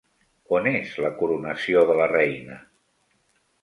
On és la coronació de la reina?